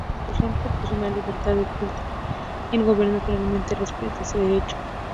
La Constitución proporciona libertad de culto, y el Gobierno generalmente respeta este derecho.